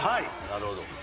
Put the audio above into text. なるほど。